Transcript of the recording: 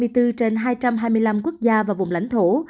trên hai trăm hai mươi năm quốc gia và vùng lãnh thổ